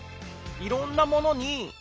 いろんなものに。